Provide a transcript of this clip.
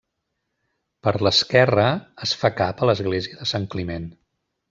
Per l'esquerra es fa cap a l'església de Sant Climent.